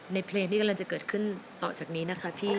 เพลงที่กำลังจะเกิดขึ้นต่อจากนี้นะคะพี่